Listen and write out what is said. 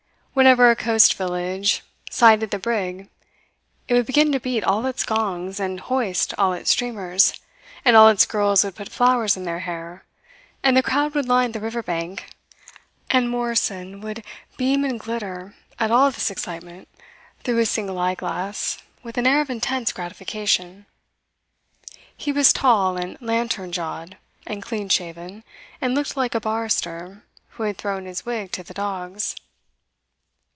Whenever a coast village sighted the brig it would begin to beat all its gongs and hoist all its streamers, and all its girls would put flowers in their hair and the crowd would line the river bank, and Morrison would beam and glitter at all this excitement through his single eyeglass with an air of intense gratification. He was tall and lantern jawed, and clean shaven, and looked like a barrister who had thrown his wig to the dogs.